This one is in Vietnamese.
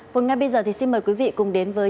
vâng ngay bây giờ thì xin mời quý vị cùng đến với